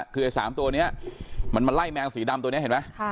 คือไอ้๓ตัวนี้มันมาไล่แมวสีดำตัวนี้เห็นไหม